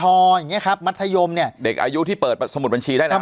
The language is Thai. พออย่างนี้ครับมัธยมเนี่ยเด็กอายุที่เปิดสมุดบัญชีได้แล้ว